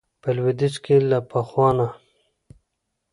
په لويديځ کې له پخوا نه